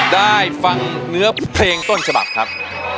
ได้ฟังเนื้อเพลงต้นฉบับครับ